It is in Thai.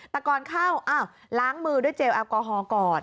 แต่ก่อนเข้าล้างมือด้วยเจลแอลกอฮอลก่อน